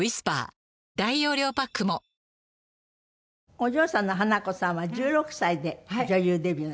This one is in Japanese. お嬢さんの華子さんは１６歳で女優デビューなさって。